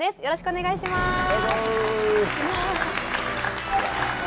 よろしくお願いします。